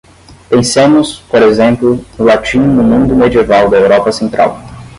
Pensemos, por exemplo, no latim no mundo medieval da Europa Central.